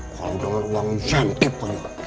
kalau dengan uang insentif pak ustadz rw